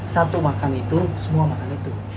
satu makan itu semua makan itu